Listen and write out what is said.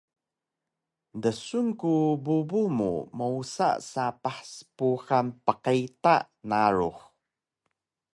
Dsun ku bubu mu mowsa sapah spuhan pqita narux